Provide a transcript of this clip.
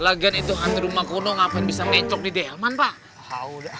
lagian itu ngantu rumah kuno ngapain bisa mencok di delman pak